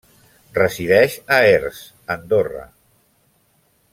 Resideix a Erts, Andorra.